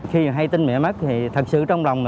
khi hay tin mẹ mất thì thật sự trong lòng